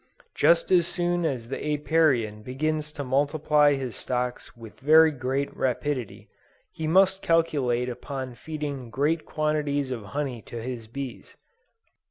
Just as soon as the Apiarian begins to multiply his stocks with very great rapidity, he must calculate upon feeding great quantities of honey to his bees.